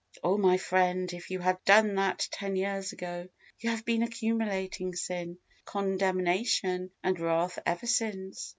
Oh! my friend, if you had done that ten years ago! You have been accumulating sin, condemnation, and wrath ever since.